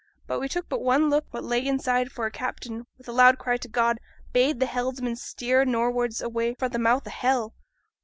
But we took but one look at what lay inside, for our captain, with a loud cry to God, bade the helmsman steer nor'ards away fra' th' mouth o' Hell.